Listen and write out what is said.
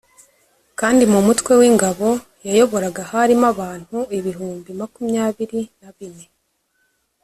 kandi mu mutwe w ingabo yayoboraga harimo abantu ibihumbi makumyabiri na bine